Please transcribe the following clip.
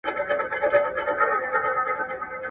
آیا ځايي تولیدات تر بهرنیو تولیداتو باوري دي؟